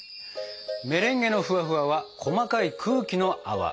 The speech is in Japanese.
メレンゲのフワフワは細かい空気の泡。